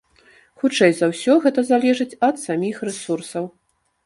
Хутчэй за ўсё, гэта залежыць ад саміх рэсурсаў.